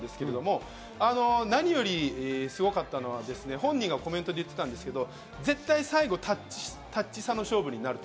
何よりすごかったのは本人がコメントで言ってたんですけど、絶対最後タッチ差の勝負になると。